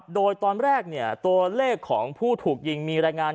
โดยตอนแรกตัวเลขของผู้ถูกยิงมีรายงาน